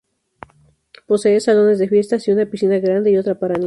Posee salones de fiestas y una piscina grande y otra para niños.